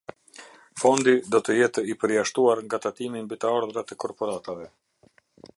Fondi do të jetë i përjashtuar nga Tatimi mbi të Ardhurat e Korporatave.